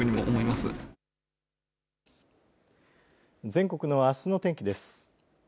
全国のあすの天気です。